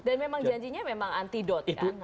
dan memang janjinya memang antidot ya